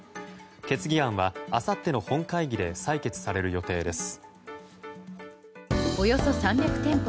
決議案はあさっての本会議で採決される予定です。